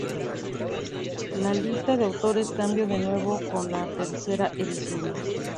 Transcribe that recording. La lista de autores cambió de nuevo con la tercera edición.